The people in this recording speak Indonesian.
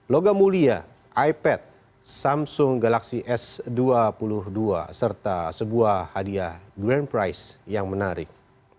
logam mulia ipad samsung galaxy s dua puluh dua serta sebuah hadiah grand price yang menarik